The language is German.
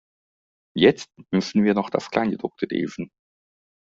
Jetzt müssen wir noch das Kleingedruckte lesen.